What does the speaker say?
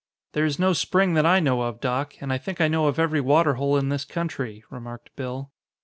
"There is no spring that I know of, Doc, and I think I know of every water hole in this country," remarked Bill.